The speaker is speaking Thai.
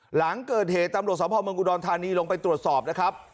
หลังเกิดเหตุตำรวจสมภาพเมืองอุดรธานีลงไปตรวจสอบนะครับ